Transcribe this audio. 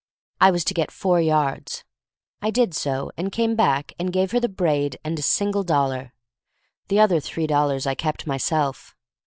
I was to get four yards. I did so, and came back and gave her the braid and a single dollar. The other three dol lars I kept myself.